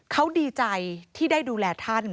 เขาดีใจที่ได้ดูแลท่าน